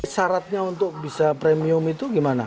syaratnya untuk bisa premium itu gimana